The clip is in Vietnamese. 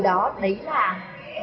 cho các em từ bỗng sáo